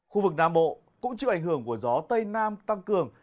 khu vực nam bộ cũng chịu ảnh hưởng của gió tây nam tăng cường